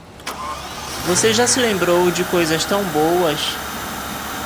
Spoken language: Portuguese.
Você já se lembrou de coisas tão boas?